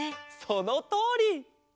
そのとおり！